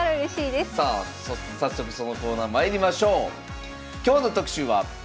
さあ早速そのコーナーまいりましょう。